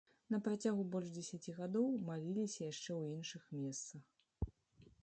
На працягу больш дзесяці гадоў маліліся яшчэ ў іншых месцах.